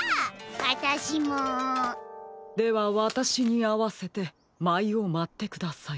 あたしも！ではわたしにあわせてまいをまってください。